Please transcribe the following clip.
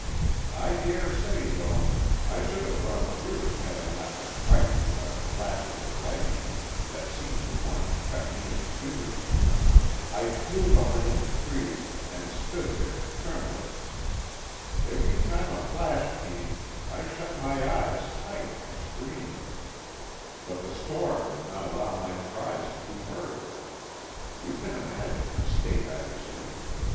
I dare say, though, I should have run through it had I not been frightened by the flashes of lightning that seemed to want to cut me in two. I flew behind a tree, and stood there trembling. Every time a flash came I shut my eyes tight and screamed. But the storm did not allow my cries to be heard. You can imagine the state I was in.